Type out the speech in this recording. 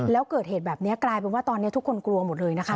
แล้วเกิดเหตุแบบนี้กลายเป็นว่าตอนนี้ทุกคนกลัวหมดเลยนะคะ